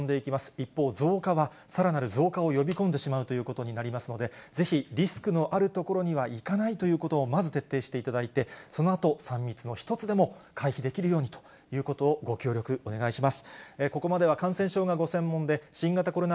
一方、増加はさらなる増加を呼び込んでしまうということになりますので、ぜひリスクのある所には行かないということをまず徹底していただいて、そのあと、３密の１つでも回避できるようにということをご協力お願いします。